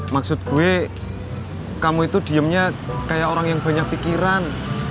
maksud gue kamu itu diemnya kayak orang yang banyak pikiran